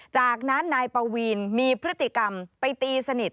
จากนั้นนายปวีนมีพฤติกรรมไปตีสนิท